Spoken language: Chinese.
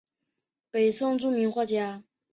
北宋著名画家。